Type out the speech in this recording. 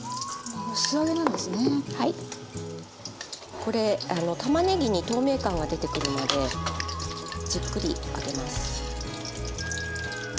これたまねぎに透明感が出てくるまでじっくり揚げます。